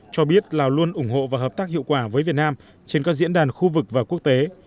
cho biết lào luôn ủng hộ và hợp tác hiệu quả với việt nam trên các diễn đàn khu vực và quốc tế